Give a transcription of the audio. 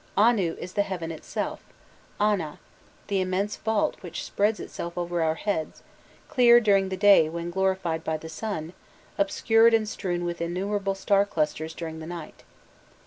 Anu is the heaven itself "ana" the immense vault which spreads itself above our heads, clear during the day when glorified by the sun, obscure and strewn with innumerable star clusters during the night.